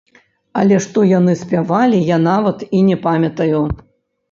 Але што яны спявалі, я нават і не памятаю.